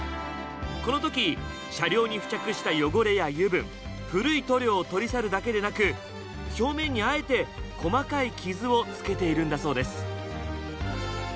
この時車両に付着した汚れや油分古い塗料を取り去るだけでなく表面にあえて細かいキズをつけているんだそうです。